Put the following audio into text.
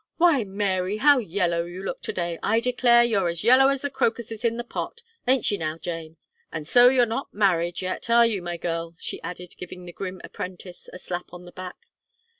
Why, Mary, how yellow you look to day. I declare you're as yellow as the crocuses in the pot. Ain't she now, Jane? And so you're not married yet are you, my girl?" she added, giving the grim apprentice a slap on the back.